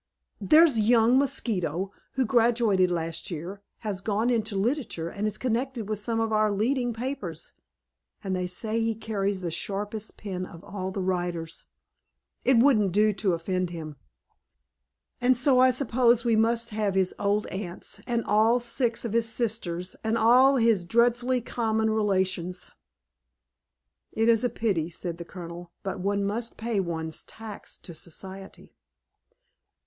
there's young Mosquito, who graduated last year, has gone into literature, and is connected with some of our leading papers, and they say he carries the sharpest pen of all the writers. It won't do to offend him." "And so I suppose we must have his old aunts, and all six of his sisters, and all his dreadfully common relations." "It is a pity," said the Colonel, "but one must pay one's tax to society."